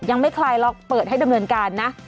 ไม่คลายล็อกเปิดให้ดำเนินการนะ